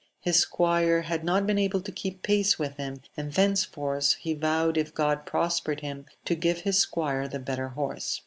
His squire had not been able to keep pace with him, and thenceforth he vowed if God prospered him, to give his squire the better horse.